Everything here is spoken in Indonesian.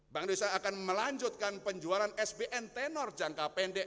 bank indonesia akan melanjutkan penjualan sbn tenor jangka pendek